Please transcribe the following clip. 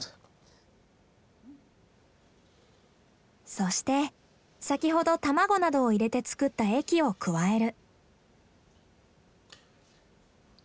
そして先ほど卵などを入れて作った液を加える。